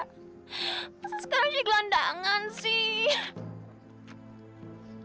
sekarang jadi gelandangan sih